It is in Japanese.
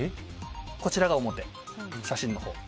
こちらが表、写真のほう。